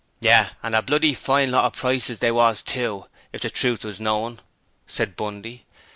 'Yes, and a bloody fine lot of prices they was, too, if the truth was known!' said Bundy.